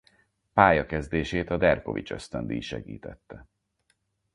Pályakezdését a Derkovits-ösztöndíj segítette.